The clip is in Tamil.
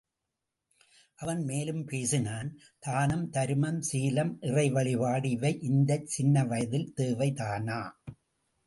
அவன் மேலும் பேசினான், தானம், தருமம், சீலம், இறைவழிபாடு இவை இந்தச் சின்னவயதில் தேவைதானா!